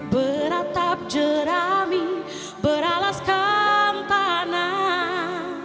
beratap jerami beralaskan tanah